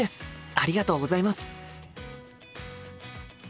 ありがとうございます！